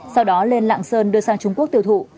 sau đó lên lạng sơn đưa sang trung quốc tiêu thụ